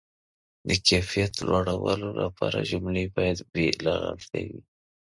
د کیفیت لوړولو لپاره، جملې باید بې له غلطۍ وي.